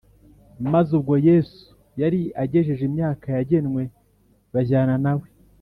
; maze ubwo Yesu yari agejeje imyaka yagenwe, bajyana nawe.